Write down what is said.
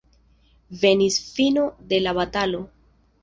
Venis fino de la batalo.